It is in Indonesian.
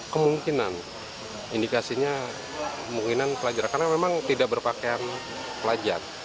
kemungkinan indikasinya kemungkinan pelajar karena memang tidak berpakaian pelajar